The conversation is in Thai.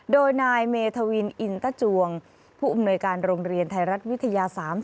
โดยนายเมธวินอินตจวงผู้อำนวยการโรงเรียนไทยรัฐวิทยา๓๐